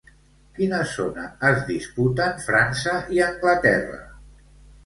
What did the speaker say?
Quina zona es disputen França i Anglaterra?